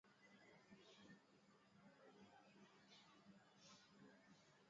Mahembe inaikalaka mwenzi wa kumi na wa kumi na moya